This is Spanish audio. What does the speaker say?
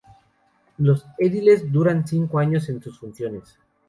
Los ediles duran cinco años en sus funciones.